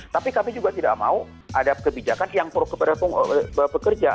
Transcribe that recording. tapi kami juga tidak mau ada kebijakan yang pro kepada pekerja